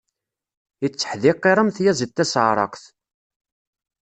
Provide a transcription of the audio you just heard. Itteḥdiqiṛ am tyaziḍt tasaɛṛaqt.